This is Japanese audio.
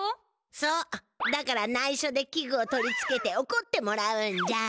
そうだからないしょでき具を取りつけておこってもらうんじゃあ。